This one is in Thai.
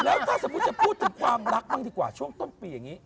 แล้วถ้าสมมุติจะพูดถึงความรักบ้างดีกว่าช่วงต้นปีอย่างนี้